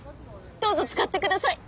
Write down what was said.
どうぞ使ってください。